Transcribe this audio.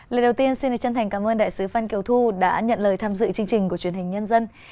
lời đầu tiên xin chân thành cảm ơn đại sứ phan kiều thu đã nhận lời tham dự chương trình của truyền hình nhân dân